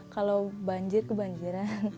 kalau banjir kebanjiran